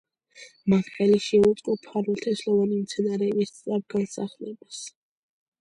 მან ხელი შეუწყო ფარულთესლოვანი მცენარეების სწრაფ განსახლებას.